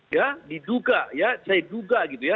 ya diduga ya saya duga gitu ya